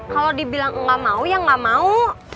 kalau dibilang gak mau yang gak mau